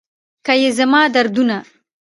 که یې زما دردونه